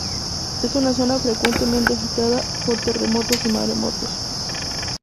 Es una zona frecuentemente agitada por terremotos y maremotos.